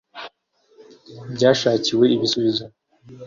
byashakiwe ibisubizo